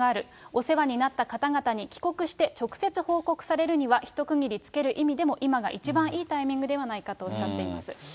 お世話になった方々に帰国して直接報告されるには、一区切りつける意味でも、今が一番いいタイミングではないかとおっしゃっています。